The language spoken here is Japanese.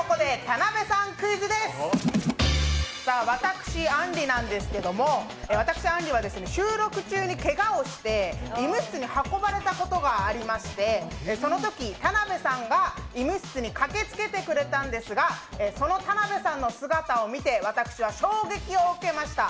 私、あんりなんですけども私、あんりは収録中にけがをして医務室に運ばれたことがありまして、そのとき田辺さんが医務室に駆けつけてくれたんですが、その田辺さんの姿を見て、私は衝撃を受けました。